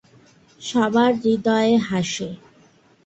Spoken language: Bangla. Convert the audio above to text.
সবার হৃদয়ে হাসে।।